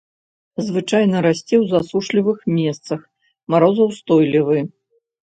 Звычайна расце ў засушлівых месцах, марозаўстойлівы.